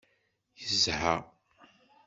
Yezha.